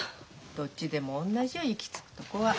どっちでも同じよ行き着くとこは。